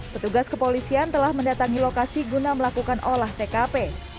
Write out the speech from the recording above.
petugas kepolisian telah mendatangi lokasi guna melakukan olah tkp